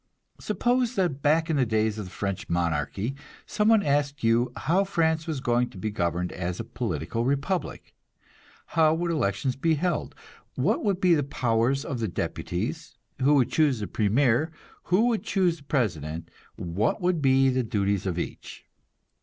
Suppose that back in the days of the French monarchy some one asked you how France was going to be governed as a political republic; how would elections be held, what would be the powers of the deputies, who would choose the premier, who would choose the president, what would be the duties of each?